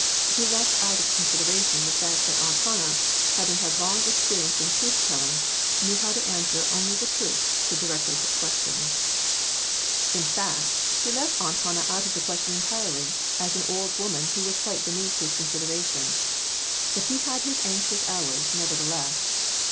He left out of con sideration the fact that Aunt Hannah, having had long experience in truth telling, knew how to answer only the truth to directly put questions. J. S. R. 415 In fact, he left Aunt Hannah out of the question entirely, as an old woman who was quite beneath his consideration. But he had his anxious hours, nevertheless.